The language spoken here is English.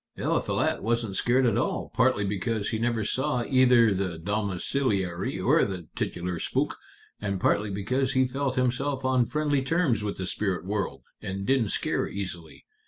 Eliphalet wasn't scared at all, partly because he never saw either the domiciliary or the titular spook, and partly because he felt himself on friendly terms with the spirit world, and didn't scare easily.